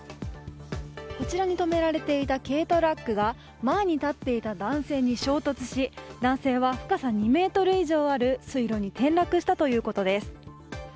こちらに止められていた軽トラックが前に立っていた男性に衝突し男性は深さ２ｍ以上ある水路に転落したということです。